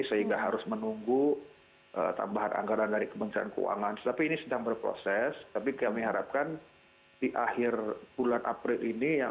sehingga harus menunggu tambahan anggaran dari kementerian keuangan tapi ini sedang berproses tapi kami harapkan di akhir bulan april ini